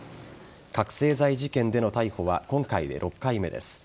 覚醒剤事件での逮捕は今回で６回目です。